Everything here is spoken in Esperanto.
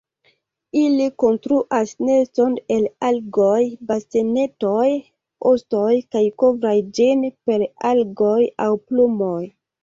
Ili konstruas neston el algoj, bastonetoj, ostoj kaj kovras ĝin per algoj aŭ plumoj.